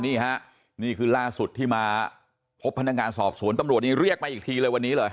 นี่ฮะนี่คือล่าสุดที่มาพบพนักงานสอบสวนตำรวจนี้เรียกมาอีกทีเลยวันนี้เลย